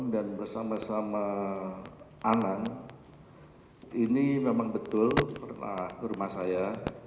dan bersama sama anang ini memang betul pernah ke rumah saya